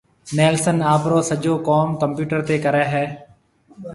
نيلسن آپرو سجو ڪوم ڪمپيوٽر تيَ ڪرَي ھيََََ